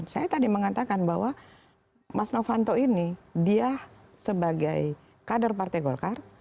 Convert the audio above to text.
saya tadi mengatakan bahwa mas novanto ini dia sebagai kader partai golkar